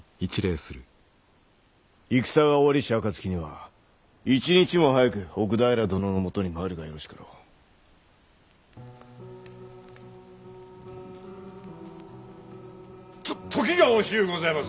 戦が終わりし暁には一日も早く奥平殿のもとに参るがよろしかろう。と時が惜しゅうございます。